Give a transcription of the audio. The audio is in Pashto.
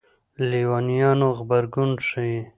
لېونیانو غبرګون ښيي.